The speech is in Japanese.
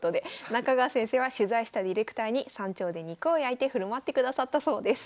中川先生は取材したディレクターに山頂で肉を焼いて振る舞ってくださったそうです。